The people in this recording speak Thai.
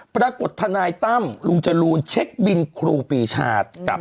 ทนายตั้มลุงจรูนเช็คบินครูปีชากับ